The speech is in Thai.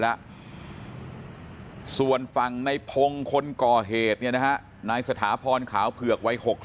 แล้วส่วนฟังในพงษ์คนก่อเหตุนะฮะนายสถาพรขาวเผือกไว้